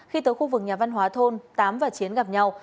khi tới khu vực nhà văn hóa thôn tám và chiến gặp nhau